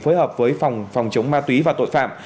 phối hợp với phòng phòng chống ma túy và tội phạm